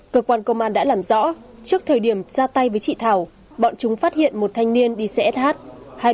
cơ quan công an đã làm rõ trước thời điểm ra tay với chị thảo bọn chúng phát hiện một thanh niên đi xe sh